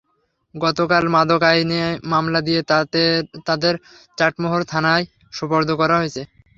গতকাল মাদক আইনে মামলা দিয়ে তাঁদের চাটমোহর থানায় সোপর্দ করা হয়েছে।